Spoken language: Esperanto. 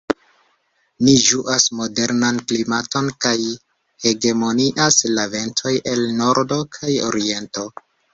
Ĝi ĝuas moderan klimaton, kaj hegemonias la ventoj el nordo kaj oriento.